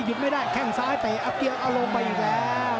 หยุดไม่ได้แข้งซ้ายไปเอาลงไปอีกแล้ว